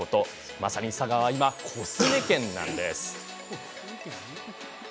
まさに佐賀は今、コスメ県です。